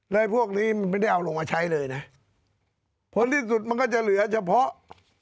แล้วพวกนี้มันไม่ได้เอาลงมาใช้เลยนะผลที่สุดมันก็จะเหลือเฉพาะ